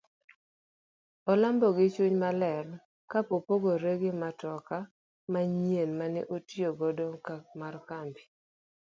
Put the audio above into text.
Olombo gi gichuny maler kopopgore gi matoka manyien mane otiyo godo mar kambi.